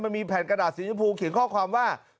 มันมีแผ่นกระดาษสีชมพูเขียนข้อความว่า